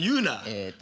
えっと。